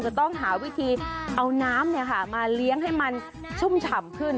จะต้องหาวิธีเอาน้ำมาเลี้ยงให้มันชุ่มฉ่ำขึ้น